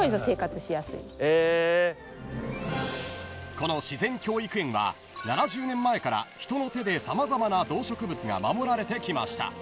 ［この自然教育園は７０年前から人の手で様々な動植物が守られてきました］